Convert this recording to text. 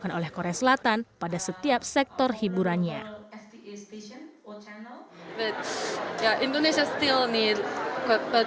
yang berkualitas harus diimbangi dengan pendidikan dan pengajaran yang mumpuni